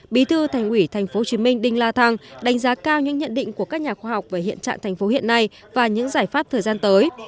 bí thư thành ủy tp hcm đinh la thăng đánh giá cao những nhận định của các nhà khoa học về hiện trạng tp hcm và những giải pháp thời gian tới